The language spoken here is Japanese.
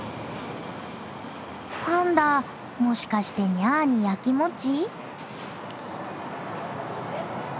パンダもしかしてニャアにヤキモチ？